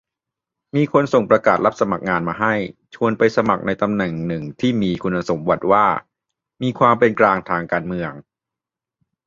มีคนส่งประกาศรับสมัครงานมาให้ ชวนไปสมัครในตำแหน่งหนึ่งที่มีคุณสมบัติว่า "มีความเป็นกลางทางการเมือง"